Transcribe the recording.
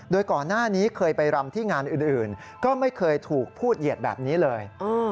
โดยก่อนหน้านี้เคยไปรำที่งานอื่นก็ไม่เคยถูกพูดเหยียดแบบนี้เลย